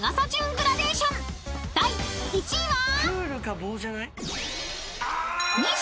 ［第１位は？］